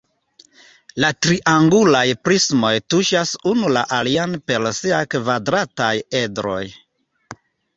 La triangulaj prismoj tuŝas unu la alian per siaj kvadrataj edroj.